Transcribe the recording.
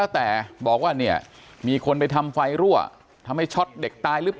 ไม่มีไม่มีไม่มีไม่มีไม่มีไม่มีไม่มี